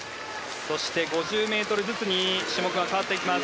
そして５０ｍずつに種目が変わっていきます。